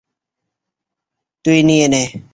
তুই নিয়ে নে।